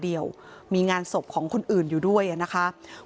คุณยายบอกว่ารู้สึกเหมือนใครมายืนอยู่ข้างหลัง